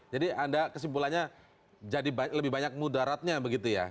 jadi anda kesimpulannya jadi lebih banyak mudaratnya begitu ya